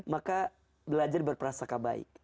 maka belajar berperasaka baik